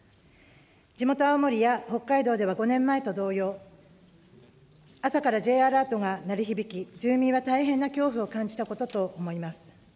地元青森や北海道では５年前と同様、朝からＪアラートが鳴り響き、住民は大変な恐怖を感じたことと思います。